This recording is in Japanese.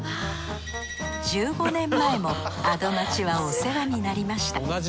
１５年前も「アド街」はお世話になりました。